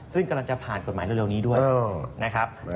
ซึ่งกำลังจะผ่านกฎหมายเร็วนี้ด้วยนะครับ